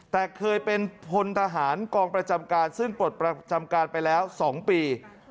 แต่เคยเป็นพลทหารกองประจำการซึ่งปลดประจำการไปแล้ว๒ปี